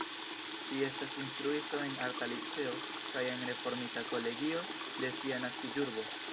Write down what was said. Ŝi estas instruisto en Arta Liceo kaj en Reformita Kolegio de sia naskiĝurbo.